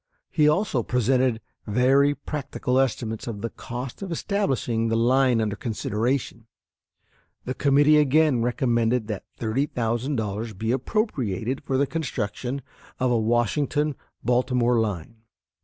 He also presented very practical estimates of the cost of establishing the line under consideration. The committee again recommended that $30,000 be appropriated for the construction of a Washington Baltimore line.